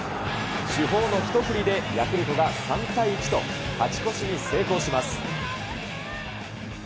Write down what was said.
主砲の一振りでヤクルトが３対１と、勝ち越しに成功します。